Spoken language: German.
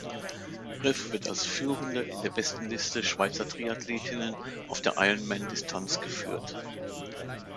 Ryf wird als Führende in der Bestenliste Schweizer Triathletinnen auf der Ironman-Distanz geführt.